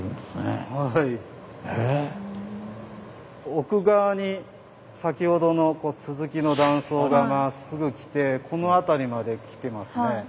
奥側に先ほどの続きの断層がまっすぐきてこの辺りまできてますね。